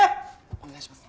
お願いします。